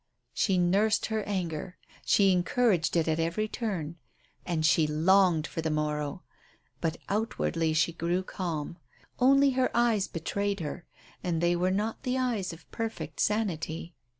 She nursed her anger; she encouraged it at every turn. And she longed for the morrow. But outwardly she grew calm. Only her eyes betrayed her. And they were not the eyes of perfect sanity.